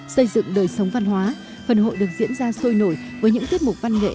xây dựng đời sống văn hóa phần hội được diễn ra sôi nổi với những tiết mục văn nghệ